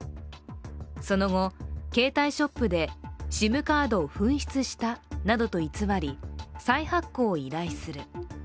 その後、携帯ショップでＳＩＭカードを紛失したなどと偽り再発行を依頼する。